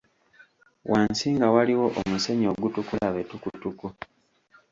Wansi nga waliwo omusenyu ogutukula betukutuku.